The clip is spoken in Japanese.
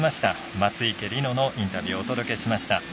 松生理乃のインタビューをお届けしました。